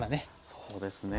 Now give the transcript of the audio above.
そうですね。